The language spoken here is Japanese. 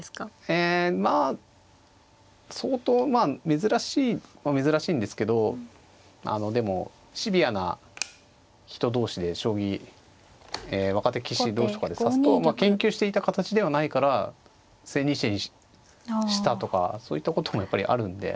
えまあ相当まあ珍しいは珍しいんですけどあのでもシビアな人同士で将棋若手棋士同士とかで指すと研究していた形ではないから千日手にしたとかそういったこともやっぱりあるんで。